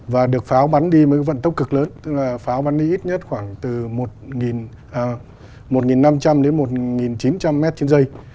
và được pháo bắn đi với một cái vận tốc cực lớn tức là pháo bắn đi ít nhất khoảng từ một năm trăm linh đến một chín trăm linh mét trên giây